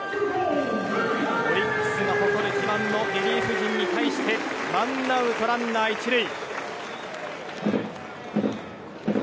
オリックスが誇る自慢のリリーフ陣に対してワンアウトランナー１塁。